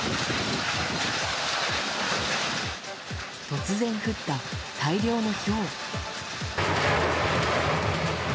突然降った大量のひょう。